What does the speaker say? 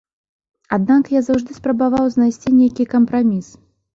Аднак я заўжды спрабаваў знайсці нейкі кампраміс.